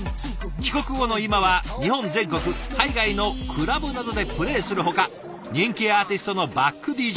帰国後の今は日本全国海外のクラブなどでプレイするほか人気アーティストのバックＤＪ